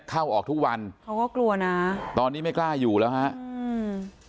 เข้าออกทุกวันเขาก็กลัวนะตอนนี้ไม่กล้าอยู่แล้วฮะอืม